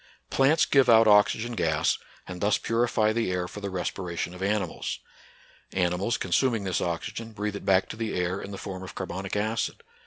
Plants give out oxygen gas, and thus purify the air for the respiration of animals. Animals, consuming this oxygen, breathe it back to the air in the form of carbonic acid.